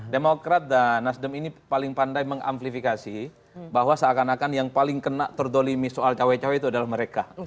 demokrat dan nasdem ini paling pandai mengamplifikasi bahwa seakan akan yang paling kena terdolimi soal cawe cawe itu adalah mereka